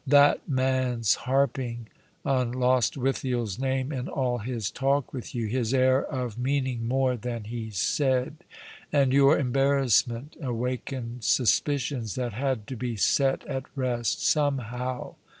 That man's harping on Lostwithiei's name in all his talk with you — his air of meaning more than he said— and your embarrassment, awakened suspicions that had to be set at rest somehow.